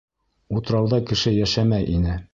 Утрауҙа кеше йәшәмәй ине.